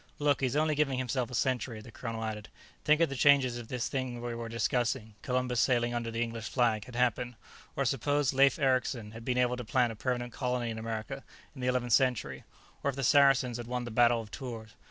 "Look, he's only giving himself a century," the colonel added. "Think of the changes if this thing we were discussing, Columbus sailing under the English flag, had happened. Or suppose Leif Ericson had been able to plant a permanent colony in America in the Eleventh Century, or if the Saracens had won the Battle of Tours.